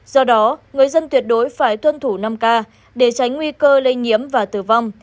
do đó người dân tuyệt đối phải tuân thủ năm k để tránh nguy cơ lây nhiễm và tử vong